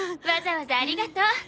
わざわざありがとう。